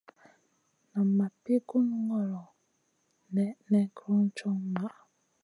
Nan ma pi gun ŋolo nèʼnèʼ kron co maʼa.